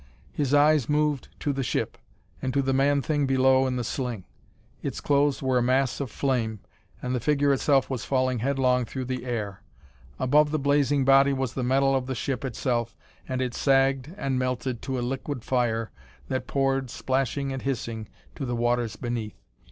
His eyes moved to the ship, and to the man thing below in the sling. Its clothes were a mass of flame, and the figure itself was falling headlong through the air. Above the blazing body was the metal of the ship itself, and it sagged and melted to a liquid fire that poured, splashing and hissing, to the waters beneath.